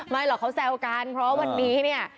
หรอกเขาแซวกันเพราะวันนี้เนี่ย